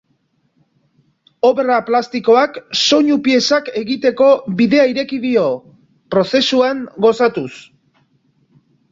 Obra plastikoak soinu piezak egiteko bidea ireki dio, prozesuan gozatuz.